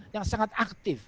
yang sangat aktif